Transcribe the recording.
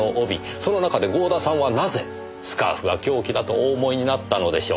その中で郷田さんはなぜスカーフが凶器だとお思いになったのでしょう？